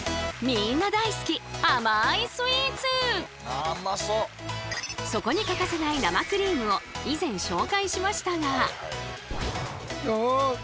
みんな大好きそこに欠かせない生クリームを以前紹介しましたが。